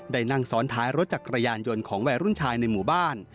นั่งซ้อนท้ายรถจักรยานยนต์ของวัยรุ่นชายในหมู่บ้าน